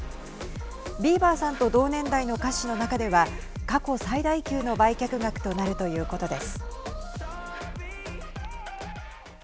ビーバーさんと同年代の歌手の中では過去最大級の売却額となるということです。